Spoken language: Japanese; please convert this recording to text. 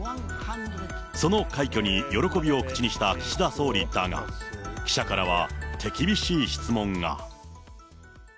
その快挙に喜びを口にした岸田総理だが、記者からは手厳しい質問が。